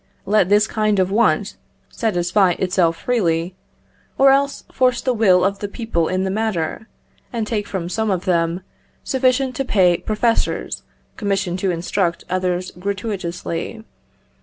_, let this kind of want satisfy itself freely; or else force the will of the people in the matter, and take from some of them sufficient to pay professors commissioned to instruct others gratuitously.